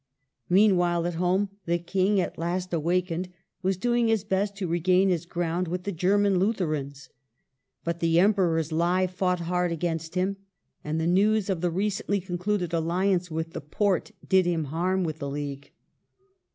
Meanwhile, at home, the King, at last awak ened, was doing his best to regain his ground with the German Lutherans. But the Emperor's lie fought hard against him, and the news of the recently concluded alliance with the Porte did him harm with the League.